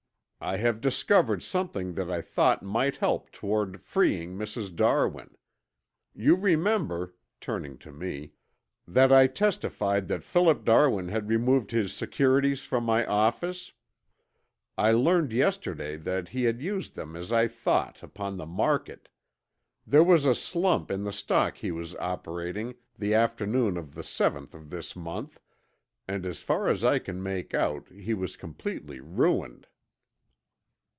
I have discovered something that I thought might help toward freeing Mrs. Darwin. You remember," turning to me, "that I testified that Philip Darwin had removed his securities from my office. I learned yesterday that he had used them as I thought upon the market. There was a slump in the stock he was operating the afternoon of the seventh of this month and as far as I can make out he was completely ruined."